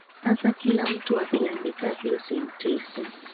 Sasa kila mtu akiandika hio sentensi